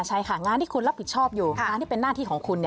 ใช่ค่ะงานที่คุณรับผิดชอบอยู่งานที่เป็นหน้าที่ของคุณ